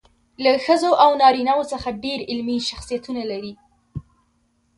له ښځو او نارینه وو څخه ډېر علمي شخصیتونه لري.